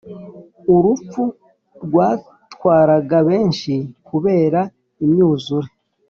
urupfu rwatwaraga benshi kubera imyuzure.